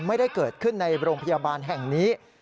ไม่ได้เกิดขึ้นในโรงพยาบาลแห่งนี้